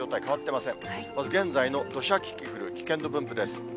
まず、現在の土砂キキクル、危険度分布です。